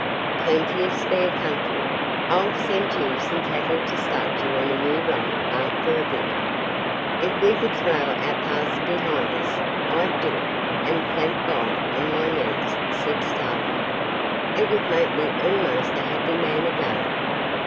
Plenty of spare country. I'll send you some cattle to start you on a new run after a bit.' 'If we could throw our past behind us, I'd do it, and thank God on my knees,' said Starlight. 'It would make me almost a happy man again.